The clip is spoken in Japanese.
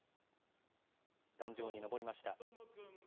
壇上に上りました。